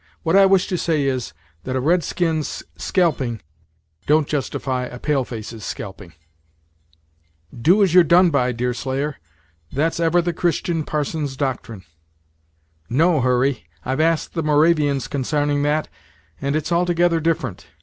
What I wish to say is, that a red skin's scalping don't justify a pale face's scalping." "Do as you're done by, Deerslayer; that's ever the Christian parson's doctrine." "No, Hurry, I've asked the Moravians consarning that; and it's altogether different.